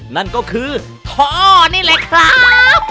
นั่นก็คือท่อนี่เลยครับ